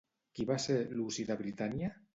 Qui va ser Luci de Britània?